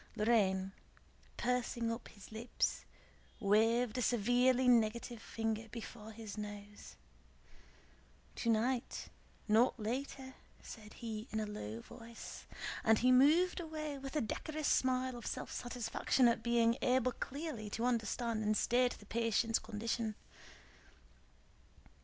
Lorrain, pursing up his lips, waved a severely negative finger before his nose. "Tonight, not later," said he in a low voice, and he moved away with a decorous smile of self satisfaction at being able clearly to understand and state the patient's condition.